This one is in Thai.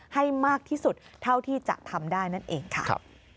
ให้มากที่สุดเท่าที่จะทำได้นั่นเองค่ะ